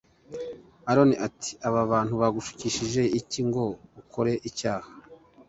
aroni ati aba bantu bagushukishije iki ngo ukore icyaha